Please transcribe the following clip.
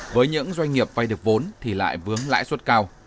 với những doanh nghiệp vay được vốn thì lại vướng lãi suất cao